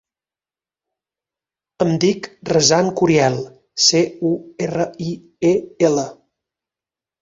Em dic Razan Curiel: ce, u, erra, i, e, ela.